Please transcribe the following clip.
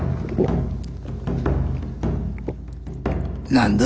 何だ？